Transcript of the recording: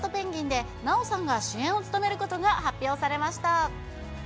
で奈緒さんが主演を務めることが発表されました。